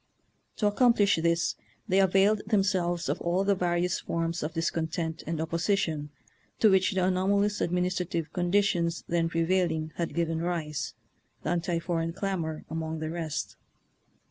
To accom plish this they availed themselves of all the various forms of discontent and op position to which the anomalous admin istrative conditions then prevailing had given rise, the anti foreign clamor among the rest.